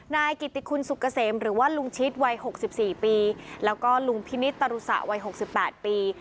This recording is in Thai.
นายกิติคุณสุกเกษมหรือว่าลุงชิตวัยหกสิบสี่ปีแล้วก็ลุงพินิตตรุษะวัยหกสิบแปดปี